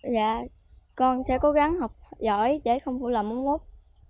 dạ con sẽ cố gắng học giỏi để không bủ lầm ông úc